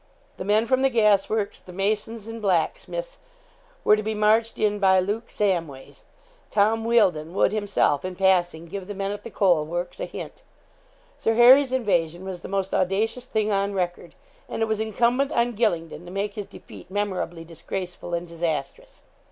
The men from the gas works, the masons, and blacksmiths, were to be marched in by Luke Samways. Tom Wealdon would, himself, in passing, give the men at the coal works a hint. Sir Harry's invasion was the most audacious thing on record; and it was incumbent on Gylingden to make his defeat memorably disgraceful and disastrous.